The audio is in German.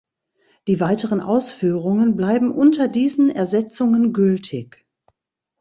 Die weiteren Ausführungen bleiben unter diesen Ersetzungen gültig.